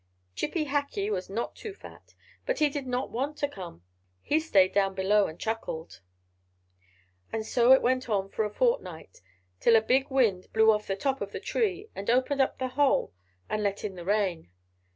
Chippy Hackee was not too fat, but he did not want to come; he stayed down below and chuckled. And so it went on for a fortnight; till a big wind blew off the top of the tree, and opened up the hole and let in the rain.